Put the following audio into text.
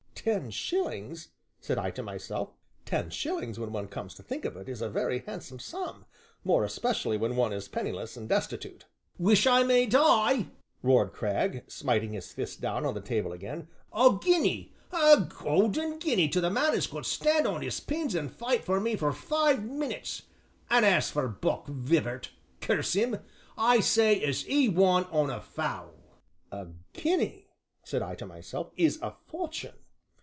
"Ten shillings!" said I to myself, "ten shillings, when one comes to think of it, is a very handsome sum more especially when one is penniless and destitute!" "Wish I may die!" roared Cragg, smiting his fist down on the table again, "a guinea a golden guinea to the man as could stand on 'is pins an' fight me for five minutes an' as for Buck Vibart curse 'im, I say as 'e won on a foul!" "A guinea," said I to myself, "is a fortune!"